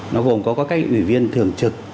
nó gồm có các ủy viên thường trực